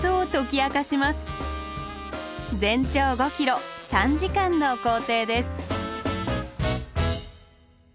全長５ｋｍ３時間の行程です。